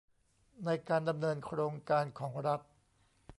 ในการดำเนินโครงการของรัฐ